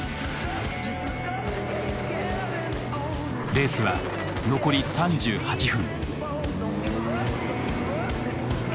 レースは残り３８分。